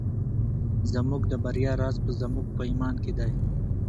زموږ د بریا راز په زموږ په ایمان کې دی.